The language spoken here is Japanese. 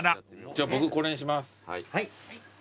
じゃあ僕これにします。